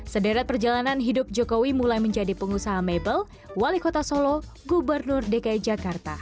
sederet perjalanan hidup jokowi mulai menjadi pengusaha mebel wali kota solo gubernur dki jakarta